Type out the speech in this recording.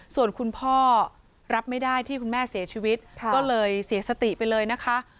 ส่วนคุณพ่อรับไม่ได้ที่คุณแม่เสียชีวิตก็เลยเสียสติไปเลยนะคะ